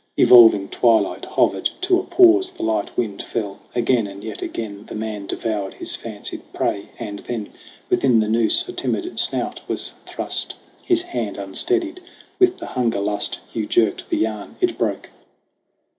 Evolving twilight hovered to a pause. The light wind fell. Again and yet again The man devoured his fancied prey : and then Within the noose a timid snout was thrust. His hand unsteadied with the hunger lust, Hugh jerked the yarn. It broke.